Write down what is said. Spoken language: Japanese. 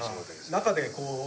中でこう。